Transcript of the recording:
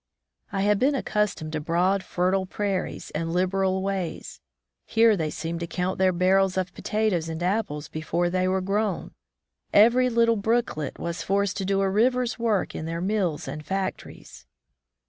I had been accustomed to broad, fertile prairies, and liberal ways. Here they seemed to comit their barrels of potatoes and apples before they were grown. Every little brooklet was forced to do a river's work in their mills and factories.